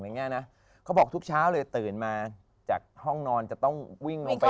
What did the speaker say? เขาบอกทุกเช้าเลยตื่นมาจากห้องนอนจะต้องวิ่งลงไป